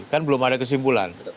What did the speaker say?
kan belum ada kesimpulan